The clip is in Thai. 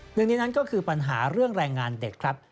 หนึ่งในนั้นก็คือปัญหาเรื่องแรงงานเด็กครับ